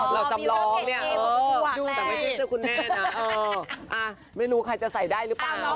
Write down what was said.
เราจำลองเนี่ยล่ะคุณแม่น่ะอ่าไม่รู้ใครจะใส่ได้หรือเปล่า